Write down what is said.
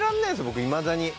僕いまだに。